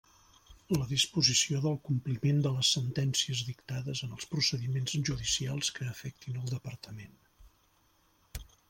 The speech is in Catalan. La disposició del compliment de les sentències dictades en els procediments judicials que afectin el Departament.